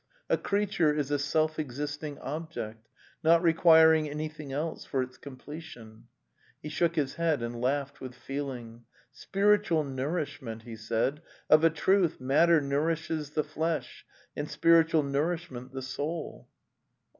A creature is a self ex isting object, not requiring anything else for its com pletion." He shook his head and laughed with feeling. '' Spiritual nourishment!" he said. '' Of a truth matter nourishes the flesh and spiritual nourishment the soul!"